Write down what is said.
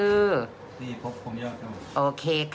รักพร่ำหาทีวีจ้ากี่เปอร์เซ็นต์ค่ะพี่ตูน